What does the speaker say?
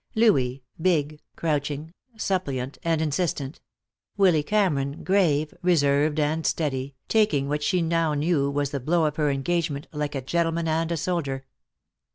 Louis, big, crouching, suppliant and insistent; Willy Cameron, grave, reserved and steady, taking what she now knew was the blow of her engagement like a gentleman and a soldier.